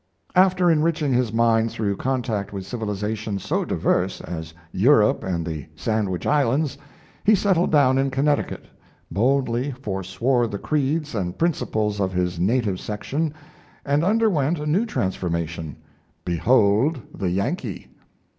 After enriching his mind through contact with civilizations so diverse as Europe and the Sandwich Islands, he settled down in Connecticut, boldly foreswore the creeds and principles of his native section, and underwent a new transformation behold the Yankee!